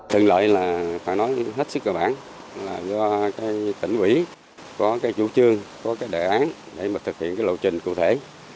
trận lợi là phải nói hết sức cơ bản do tỉnh ủy có chủ trương có đề án để thực hiện lộ trình cụ thể